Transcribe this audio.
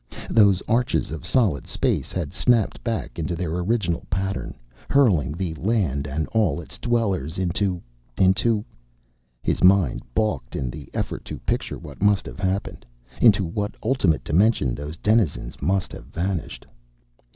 Those arches of solid space had snapped back into their original pattern, hurling the land and all its dwellers into into His mind balked in the effort to picture what must have happened, into what ultimate dimension those denizens must have vanished.